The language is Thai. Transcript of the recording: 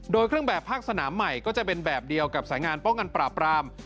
โดยเครื่องแบบภาคสนามใหม่ก็จะเป็นแบบเดียวกับสายงานป้องกันปราบราม